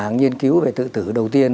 nhiên cứu về tự tử đầu tiên